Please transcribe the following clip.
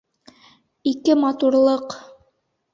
ИКЕ МАТУРЛЫҠ